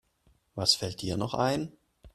Was fällt dir noch ein?